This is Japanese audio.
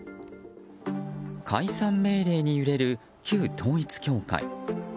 解散命令に揺れる旧統一教会。